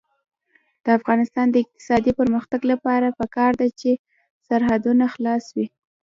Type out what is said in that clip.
د افغانستان د اقتصادي پرمختګ لپاره پکار ده چې سرحدونه خلاص وي.